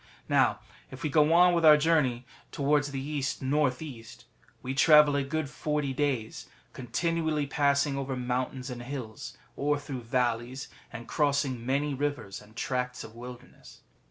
^ Now, if we go on with our journey towards the east 172 MARCO POLO Book I. north east, we travel a good forty days, continually passing over mountains and hills, or through valleys, and crossing many rivers and tracts of wilderness.